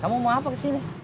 kamu mau apa kesini